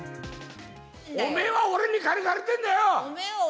おめえは俺に金借りてるんだよ！